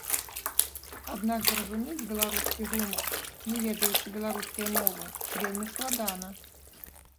Аднак зразумець беларускі гумар, не ведаючы беларускай мовы, вельмі складана.